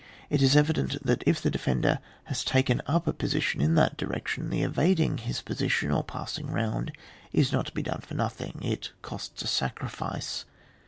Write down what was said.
It is evident that, if the defender has taken up a position in that direction, the evading his position, or passing round, is not to be done for nothing ; it costs a sacrifice.